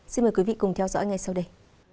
xin mời quý vị cùng theo dõi ngay sau đây